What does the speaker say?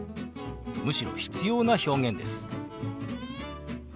むしろ必要な表現です。